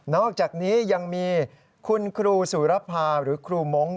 อกจากนี้ยังมีคุณครูสุรภาหรือครูมงค์